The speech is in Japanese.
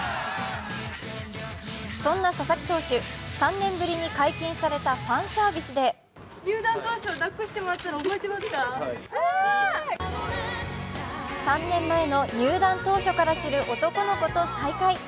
そんな佐々木投手、３年ぶりに解禁されたファンサービスで３年前の入団当初から知る男の子と再会。